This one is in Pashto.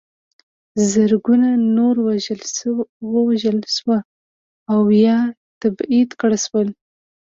زرګونه نور ووژل شول او یا تبعید کړای شول.